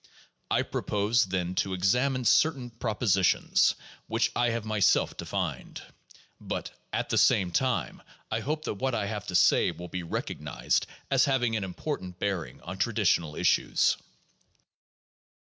I propose, then, to ex amine certain propositions which I have myself defined. But, at the same time, I hope that what I have to say will be recognized as hav ing an important bearing on traditional issues.